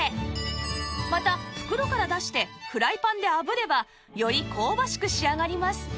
また袋から出してフライパンで炙ればより香ばしく仕上がります